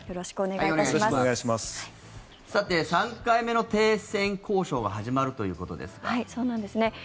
３回目の停戦交渉が始まるということですが。